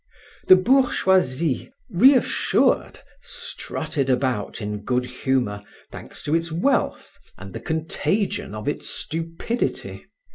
The bourgeoisie, reassured, strutted about in good humor, thanks to its wealth and the contagion of its stupidity.